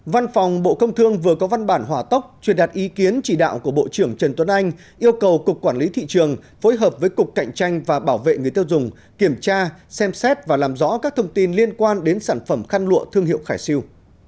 văn phòng bộ công thương vừa có văn bản hỏa tốc truyền đạt ý kiến chỉ đạo của bộ trưởng trần tuấn anh yêu cầu cục quản lý thị trường phối hợp với cục cạnh tranh và bảo vệ người tiêu dùng kiểm tra xem xét và làm rõ các thông tin liên quan đến sản phẩm khăn lụa thương hiệu khải siêu